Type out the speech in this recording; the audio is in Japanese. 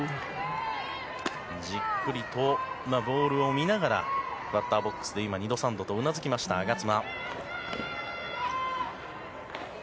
じっくりとボールを見ながらバッターボックスで２度、３度うなずいた我妻。